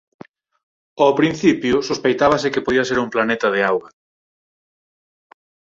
Ó principio sospeitábase que podía ser un planeta de auga.